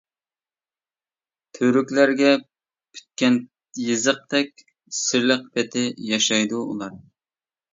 تۈۋرۈكلەرگە پۈتكەن يېزىقتەك، سىرلىق پېتى ياشايدۇ ئۇلار.